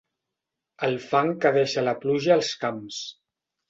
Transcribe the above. El fang que deixa la pluja als camps.